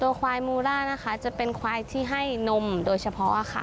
ควายมูล่านะคะจะเป็นควายที่ให้นมโดยเฉพาะค่ะ